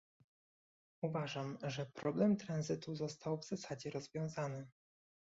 Uważam, że problem tranzytu został w zasadzie rozwiązany